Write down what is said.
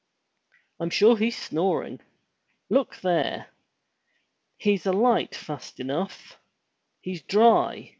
*' "Fm sure he's snoring! Look there! He's alight fast enough. He's dry